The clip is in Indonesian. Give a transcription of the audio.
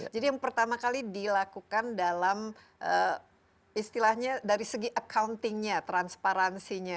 jadi yang pertama kali dilakukan dalam istilahnya dari segi accountingnya transparansinya